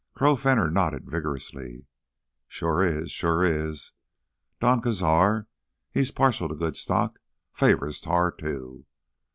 Crow Fenner nodded vigorously. "Shore is, shore is. Don Cazar, he's partial to good stock—favors Tar, too.